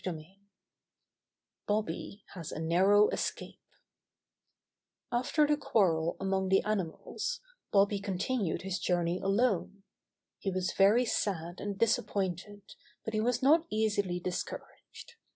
STORY XIII Bobby Has A Narrow Escape After the quarrel among the animals, Bobby continued his journey alone. He was very sad and disappointed, but he was not easily discouraged.